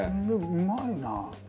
うまいな。